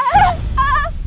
aku harus bisa ambil sifat